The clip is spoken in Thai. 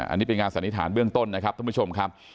อันนี้เป็นงานสันนิษฐานเบื้องต้นนะครับท่านผู้ชมครับ